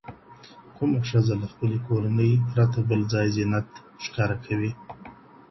کومه ښځه له خپلي کورنۍ پرته بل ځای زينت ښکاره کوي؟